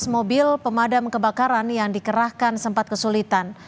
tujuh belas mobil pemadam kebakaran yang dikerahkan sempat kesulitan